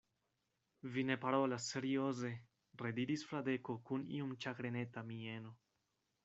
Vi ne parolas serioze, rediris Fradeko kun iom ĉagreneta mieno.